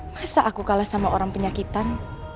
masa aku kalah sama orang penyakitan